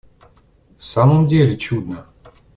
В самом деле чудно!